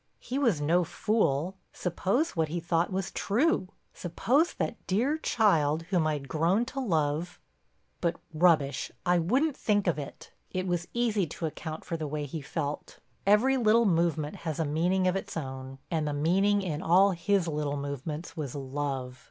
He was no fool—suppose what he thought was true? Suppose that dear child whom I'd grown to love—but, rubbish! I wouldn't think of it. It was easy to account for the way he felt. Every little movement has a meaning of its own—and the meaning in all his little movements was love.